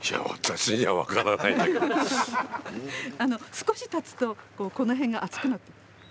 少したつとこの辺が熱くなってくる。